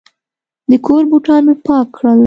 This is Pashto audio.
د کور بوټان مې پاک کړل.